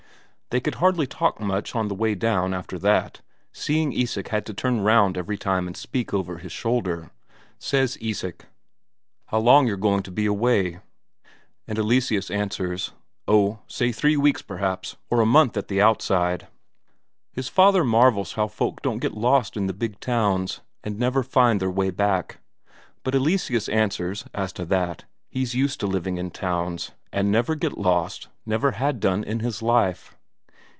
They could hardly talk much on the way down after that, seeing Isak had to turn round every time and speak over his shoulder. Says Isak: "How long you're going to be away?" And Eleseus answers: "Oh, say three weeks, perhaps, or a month at the outside." His father marvels how folk don't get lost in the big towns, and never find their way back. But Eleseus answers, as to that, he's used to living in towns, and never got lost, never had done in his life.